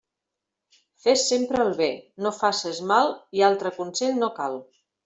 Fes sempre el bé, no faces mal i altre consell no cal.